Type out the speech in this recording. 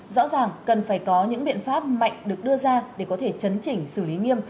rõ ràng cần phải có những biện pháp mạnh được đưa ra để có thể chấn chỉnh xử lý nghiêm